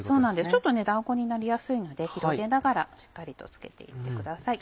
ちょっとだんごになりやすいので広げながらしっかりと付けて行ってください。